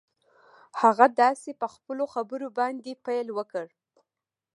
هغه داسې په خپلو خبرو باندې پيل وکړ.